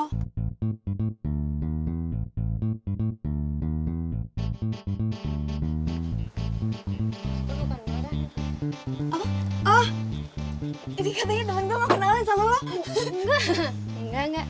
lo bukan lo dah